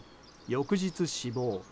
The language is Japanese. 翌日、死亡。